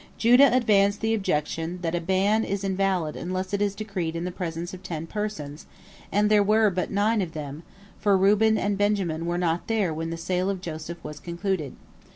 Judah advanced the objection that a ban is invalid unless it is decreed in the presence of ten persons, and there were but nine of them, for Reuben and Benjamin were not there when the sale of Joseph was concluded.